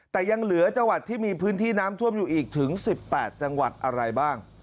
แต่ยังเหลือจังหวัดที่มีพื้นที่น้ำท่วมอยู่อีกถึง๑๘จังหวัดอะไรบ้าง